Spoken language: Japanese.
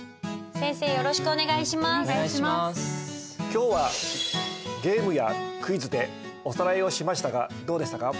今日はゲームやクイズでおさらいをしましたがどうでしたか？